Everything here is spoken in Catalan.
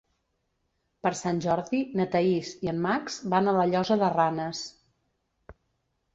Per Sant Jordi na Thaís i en Max van a la Llosa de Ranes.